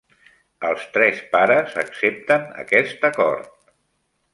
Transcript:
Els tres pares accepten aquest acord.